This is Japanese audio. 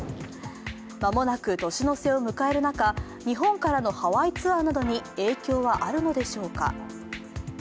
間もなく年の瀬を迎える中、日本からのハワイツアーなどに影響はあるのでしょうか？